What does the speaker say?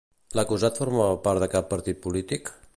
L'acusat formava part de cap partit polític?